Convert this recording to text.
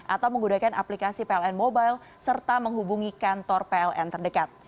atau menggunakan aplikasi pln mobile serta menghubungi kantor pln terdekat